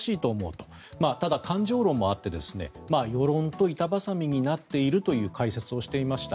それでも感情論もあって世論と板挟みになっているという解説をしていました。